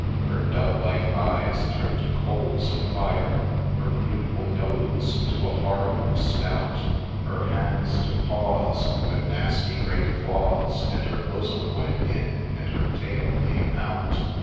Her dove like eyes turn'd to coals of fire, Her beautiful nose to a horrible snout, Her hands to paws, with nasty great claws, And her bosom went in, and her tail came out.